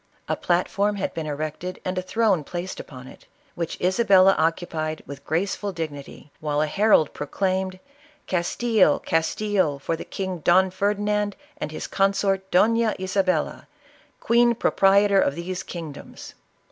A platform had been erected and a throne placed upon it, which Isabella occupied with graceful dignity, while a herald proclaimed, "Castile, Castile for the King Don Ferdinand and his consort Dofla Isa bella, queen proprietor of these kingdoms